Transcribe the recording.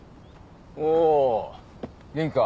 お元気か？